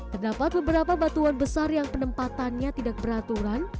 terdapat beberapa batuan besar yang penempatannya tidak beraturan